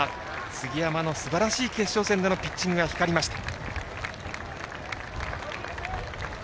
杉山のすばらしい決勝戦でのピッチングが光りました。